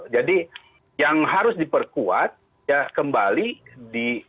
jadi yang harus diperkuat kembali di